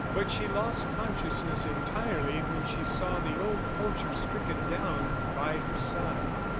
But she lost consciousness entirely when she saw the old poacher stricken down by her side.